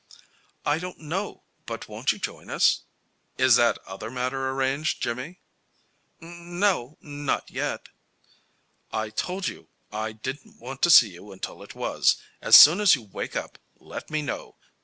"I don't know. But won't you join us?" "Is that other matter arranged, Jimmy?" "N no. Not yet." "I told you I didn't want to see you until it was. As soon as you wake up, let me know.